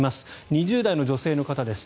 ２０代の女性の方です。